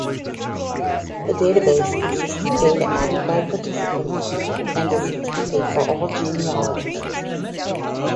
The database consists of data added by participants and is intended for all genealogists.